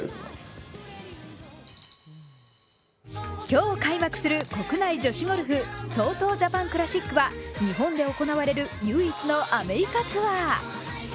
今日開幕する国内女子ゴルフＴＯＴＯジャパンクラシックは日本で行われる唯一のアメリカツアー。